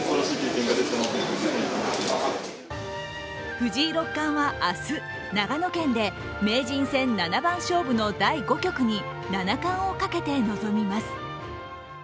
藤井六冠は明日、長野県で名人戦七番勝負の第５局に七冠をかけて臨みます。